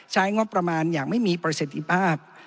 ใช้งบประมาณอย่างไม่มีประสิทธิภาพ